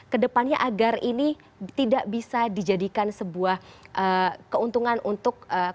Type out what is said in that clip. kedepannya agar ini tidak bisa dijadikan sebuah keuntungan untuk